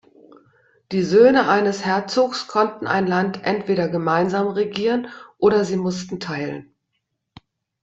Die Söhne eines Herzogs konnten ein Land entweder gemeinsam regieren, oder sie mussten teilen.